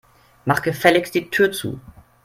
Mach gefälligst die Tür zu.